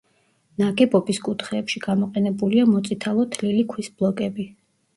ნაგებობის კუთხეებში გამოყენებულია მოწითალო თლილი ქვის ბლოკები.